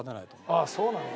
ああそうなんだ。